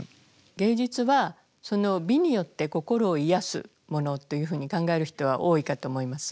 芸術はその美によって心を癒やすものというふうに考える人は多いかと思います。